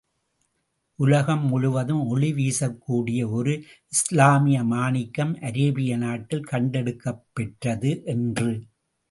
உலகம் முழுவதும் ஒளி வீசக் கூடிய ஒரு இஸ்லாமிய மாணிக்கம் அரேபிய நாட்டில் கண்டெடுக்கப் பெற்றது என்று.